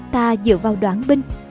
ta dựa vào đoán binh